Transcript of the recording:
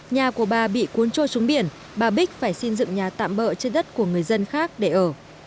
nhà của bà bị cuốn trôi xuống biển bà bích phải xin dựng nhà tạm bỡ trên đất của người dân khác để ở